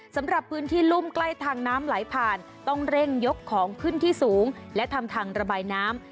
สำหรับพื้นที่รุ่มใกล้ทางน้ำไหลผ่านต้องเร่งยกของขึ้นที่สูงและทำทางระบายน้ำ